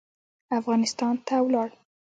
افغانستان ته ولاړ.